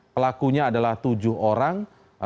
pelakunya adalah tujuh orang